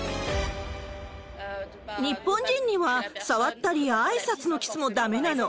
日本人には触ったり、あいさつのキスもだめなの。